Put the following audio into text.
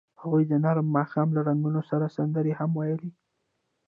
هغوی د نرم ماښام له رنګونو سره سندرې هم ویلې.